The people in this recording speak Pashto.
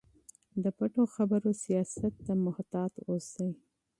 د پټو خبرو سیاست ته محتاط اوسئ.